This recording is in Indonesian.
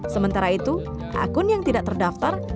sementara itu akun yang tidak terdaftar